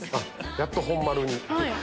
やっと本丸に。